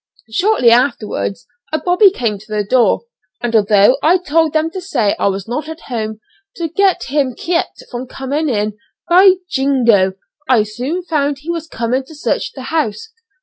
Shortly afterwards a bobby came to the door, and although I told them to say I was not at home, to get him kept from coming in, by jingo! I soon found he was coming to search the house.